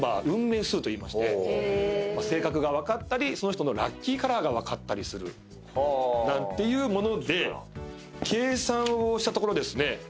運命数といいまして性格が分かったりその人のラッキーカラーが分かったりするというもので計算をしたところですね